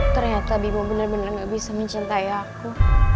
ternyata bimo benar benar gak bisa mencintai aku